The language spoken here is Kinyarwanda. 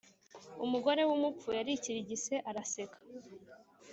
Umugore w’umupfu yarikirigise araseka.